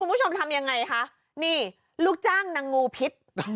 คุณผู้ชมทำยังไงคะนี่ลูกจ้างนางงูพิษ